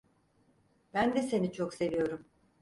Ben de seni çok seviyorum.